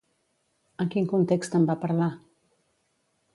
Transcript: En quin context en va parlar?